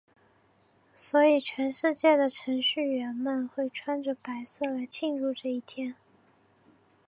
所以全世界的程序员们会穿着白色来庆祝这一天。